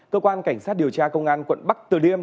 cơ quan cảnh sát điều tra công an quận năm từ điêm